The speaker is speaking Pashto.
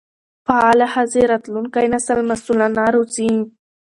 فعاله ښځې راتلونکی نسل مسؤلانه روزي.